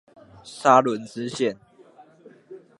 沙崙支線